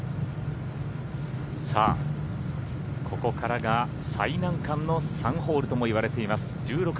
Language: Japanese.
ここからが最難関の３ホールともいわれています